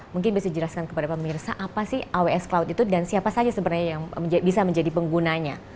mungkin bisa dijelaskan kepada pemirsa apa sih aws cloud itu dan siapa saja sebenarnya yang bisa menjadi penggunanya